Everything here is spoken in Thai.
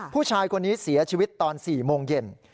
ผู้ชายคนนี้เสียชีวิตตอน๔โมงเย็น